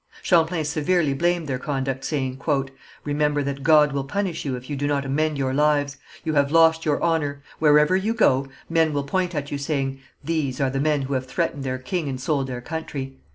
Champlain severely blamed their conduct, saying: "Remember that God will punish you if you do not amend your lives. You have lost your honour. Wherever you will go, men will point at you, saying: 'These are the men who have threatened their king and sold their country.'